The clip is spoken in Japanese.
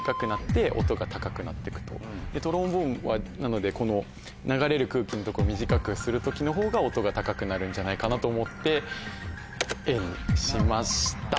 トロンボーンはなので流れる空気のとこを短くする時の方が音が高くなるんじゃないかなと思ってＡにしました。